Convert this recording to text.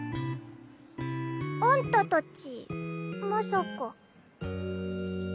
あんたたちまさか。